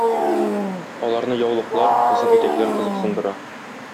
Аларны яулыклар, озын итәкләр кызыксындыра.